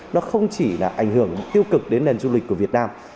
nó không chỉ là ảnh hưởng tiêu cực đến nền du lịch của việt nam